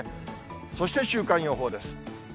そして週間予報です。